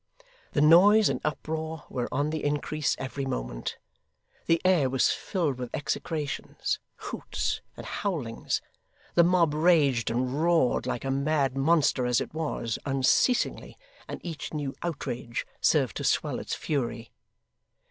The noise and uproar were on the increase every moment. The air was filled with execrations, hoots, and howlings. The mob raged and roared, like a mad monster as it was, unceasingly, and each new outrage served to swell its fury.